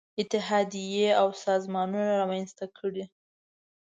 اتحادیې او سازمانونه رامنځته کړي.